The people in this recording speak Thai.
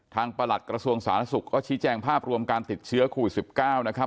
ประหลัดกระทรวงสาธารณสุขก็ชี้แจงภาพรวมการติดเชื้อโควิด๑๙นะครับ